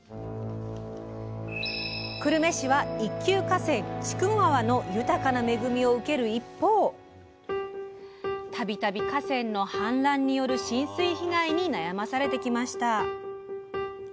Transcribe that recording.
久留米市は一級河川筑後川の豊かな恵みを受ける一方たびたび河川の氾濫による浸水被害に悩まされてきました。